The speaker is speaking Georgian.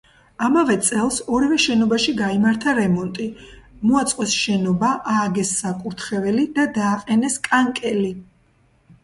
ამავე წელს ორივე შენობაში გაიმართა რემონტი, მოაწყვეს შენობა, ააგეს საკურთხეველი და დააყენეს კანკელი.